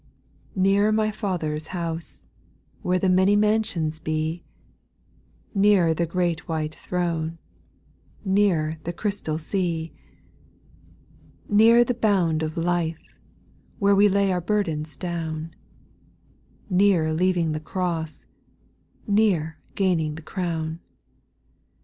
2. Nearer my Father's house, Where the many mansions be ; Nearer the great white throne ; Nearer the crystal sea. 8. Nearer the bound of life, Where we lay our burdens down ; Nearer leaving the cross ; Nearer gaining the crown.